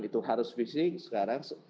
itu harus fisik sekarang